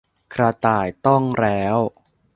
กระต่ายต้องแร้ว